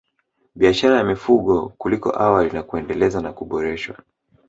Biashara ya mifugo kuliko awali na kuendeleza na kuboresha